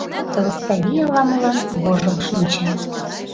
Лыстывий ала-молан вожыл шинча.